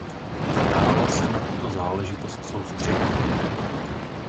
Nadále se na tuto záležitost soustředíme.